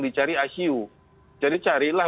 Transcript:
dicari icu jadi carilah